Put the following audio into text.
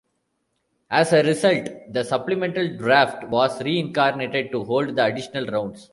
As a result, the Supplemental Draft was re-incarnated to hold the additional rounds.